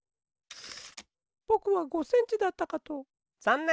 ぼくは５センチだったかと。